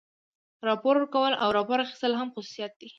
راپور ورکول او راپور اخیستل هم خصوصیات دي.